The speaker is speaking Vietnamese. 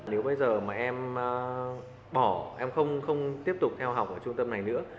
nếu bây giờ mà em bỏ em không tiếp tục theo học ở trung tâm này nữa